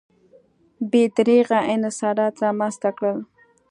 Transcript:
بې دریغه انحصارات رامنځته کړل.